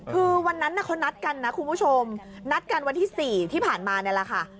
คือวันนั้นเขานัดกันนะคุณผู้ชมนัดกันวันที่๔ที่ผ่านมานี่แหละค่ะ